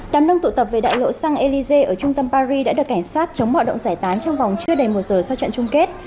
đám đông tụ tập về đại lộ xăng elize ở trung tâm paris đã được cảnh sát chống bạo động giải tán trong vòng chưa đầy một giờ sau trận chung kết